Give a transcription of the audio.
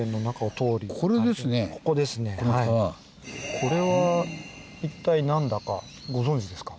これは一体何だかご存じですか？